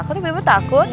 aku tuh bener bener takut